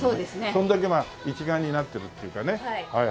それだけ一丸になってるっていうかね。